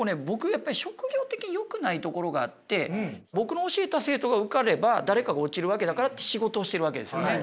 やっぱり職業的によくないところがあって僕の教えた生徒が受かれば誰かが落ちるわけだからって仕事をしてるわけですよね。